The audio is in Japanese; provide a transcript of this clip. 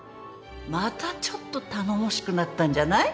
またちょっと頼もしくなったんじゃない？